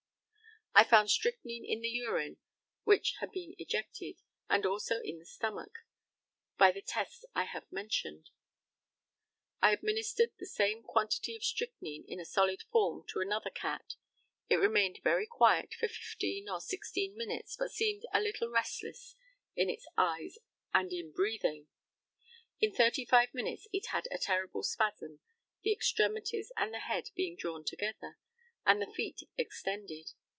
I found strychnine in the urine which had been ejected, and also in the stomach, by the tests I have mentioned. I administered the same quantity of strychnine in a solid form to another cat. It remained very quiet for 15 or 16 minutes, but seemed a little restless in its eyes and in breathing. In 35 minutes it had a terrible spasm, the extremities and the head being drawn together, and the feet extended.